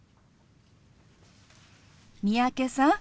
三宅さん。